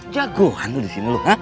jagoan lu di sini lu